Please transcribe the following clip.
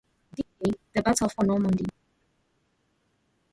D-Day: The Battle for Normandy.